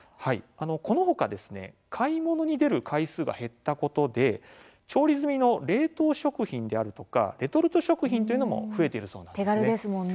このほか買い物に出る回数が減ったことで調理済みの冷凍食品であるとかレトルト食品というのも手軽ですものね。